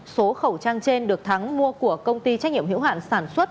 số khẩu trang trên được thắng mua của công ty trách nhiệm hiệu hạn sản xuất